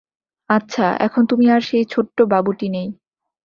আচ্ছা, এখন তুমি আর সেই ছোট্ট বাবুটি নেই।